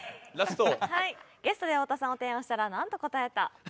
ゲストで太田さんを提案したらなんと答えた？